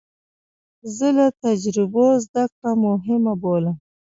زه له تجربو زده کړه مهمه بولم.